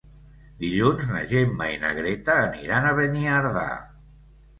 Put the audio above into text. Dilluns na Gemma i na Greta aniran a Beniardà.